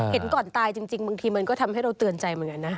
เห็นก่อนตายจริงบางทีมันก็ทำให้เราเตือนใจเหมือนกันนะ